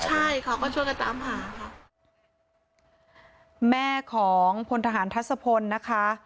ใช่เขาก็ช่วยกันตามหาค่ะแม่ของพลทหารทัศพลนะคะ